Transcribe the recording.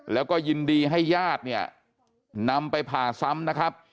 แล้วก็ยินดีให้ญาติเนี่ยนำไปผ่าซ้ำนะครับ